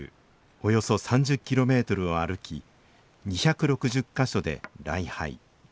およそ３０キロメートルを歩き２６０か所で礼拝。